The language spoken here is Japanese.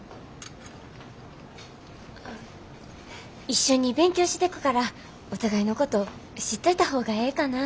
一緒に勉強してくからお互いのこと知っといた方がええかなって。